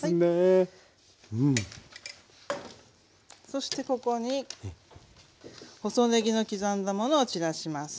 そしてここに細ねぎの刻んだものを散らします。